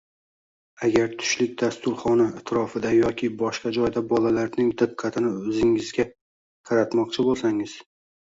Agar tushlik dasturxoni atrofida yoki boshqa joyda bolalarning diqqatini o‘ztingizga qaratmoqchi bo‘lsangiz